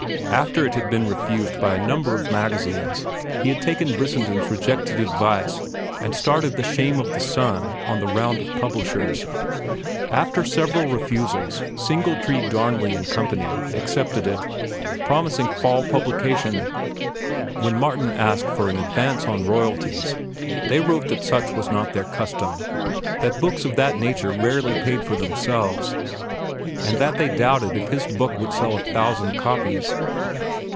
After it had been refused by a number of magazines, he had taken Brissenden's rejected advice and started "The Shame of the Sun" on the round of publishers. After several refusals, Singletree, Darnley & Co. accepted it, promising fall publication. When Martin asked for an advance on royalties, they wrote that such was not their custom, that books of that nature rarely paid for themselves, and that they doubted if his book would sell a thousand copies.